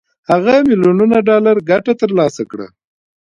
هغه میلیونونه ډالر ګټه تر لاسه کړه